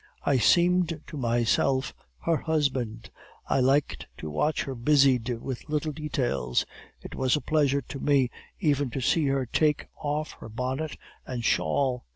I seemed to myself her husband, I liked to watch her busied with little details; it was a pleasure to me even to see her take off her bonnet and shawl.